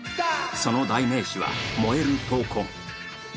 その代名詞は燃える闘魂。